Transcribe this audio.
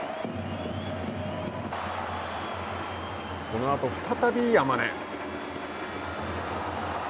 このあと再び山根。